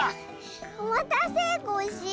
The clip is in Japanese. おまたせコッシー。